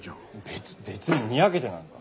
別別ににやけてなんか。